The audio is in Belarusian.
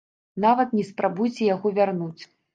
Нават не спрабуйце яго вярнуць!